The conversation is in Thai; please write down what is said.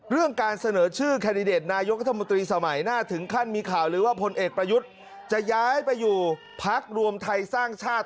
เรื่องการเสนอชื่อแคนดิเดตนายกรัฐมนตรีสมัยหน้าถึงขั้นมีข่าวเลยว่าพลเอกประยุทธ์จะย้ายไปอยู่พักรวมไทยสร้างชาติ